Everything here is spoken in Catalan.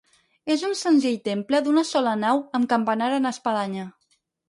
És un senzill temple d'una sola nau amb campanar en espadanya.